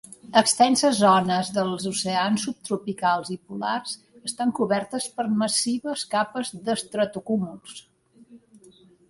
Extenses zones dels oceans subtropicals i polars estan cobertes per massives capes d'estratocúmuls.